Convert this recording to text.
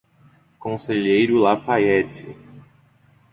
Conselheiro Lafaiete